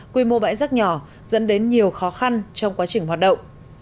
quy mô bãi rác nhỏ dẫn đến nhiều khó khăn trong quá trình hoạt động